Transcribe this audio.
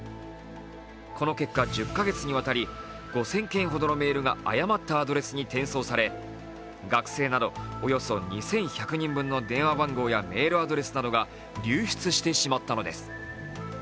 この結果１０か月にわたり５０００件ほどのメールが誤ったアドレスに転送され学生などおよそ２１００人の分の電話番号やメールアドレスなどが流出してしまったのです。